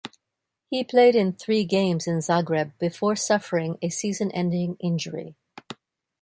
He played in three games in Zagreb before suffering a season-ending injury.